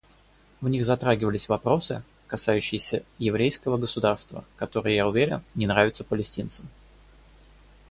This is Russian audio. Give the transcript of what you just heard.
В них затрагивались вопросы, касающиеся еврейского государства, которые, я уверен, не нравятся палестинцам.